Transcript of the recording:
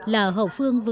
là hậu phương